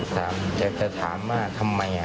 จำจะธามาร์ทำไม